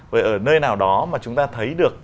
vậy ở nơi nào đó mà chúng ta thấy được